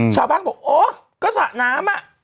ชาวภักดิ์บอกโอ๊ะก็สระน้ำอ่ะ